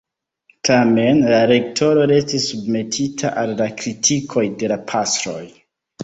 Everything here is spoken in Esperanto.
Tamen, la rektoro restis submetita al la kritikoj de la pastroj.